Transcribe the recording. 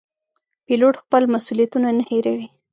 پیلوټ خپل مسوولیتونه نه هېروي.